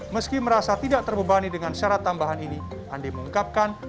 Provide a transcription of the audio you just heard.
meski merasa tidak terbebani dengan syarat tambahan ini andi mengungkapkan